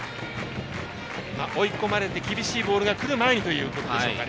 追い込まれて厳しいボールが来る前にということでしょうか。